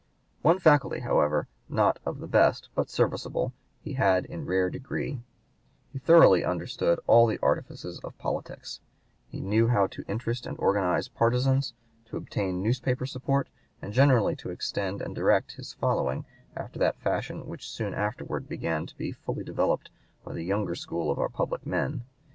One faculty, however, not of the best, but serviceable, he had in a rare degree: he thoroughly understood all the artifices of politics; he knew how to interest and organize partisans, to obtain newspaper support, and generally to extend and direct his following after that fashion which soon afterward began to be fully developed by the younger school of our public men.